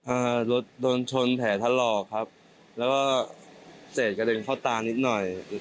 อ่ารถโดนชนแผลถลอกครับแล้วก็เศษกระเด็นเข้าตานิดหน่อย